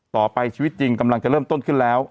ต่อไปชีวิตจริงกำลังจะเริ่มต้นขึ้นแล้ว